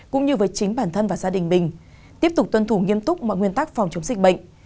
cũng như với chính bản thân và gia đình mình tiếp tục tuân thủ nghiêm túc mọi nguyên tắc phòng chống dịch bệnh